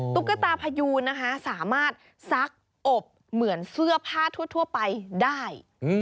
ตุ๊กตาพยูนนะคะสามารถซักอบเหมือนเสื้อผ้าทั่วไปได้